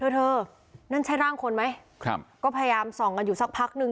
เธอเธอนั่นใช่ร่างคนไหมครับก็พยายามส่องกันอยู่สักพักหนึ่ง